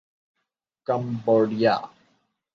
Cambodia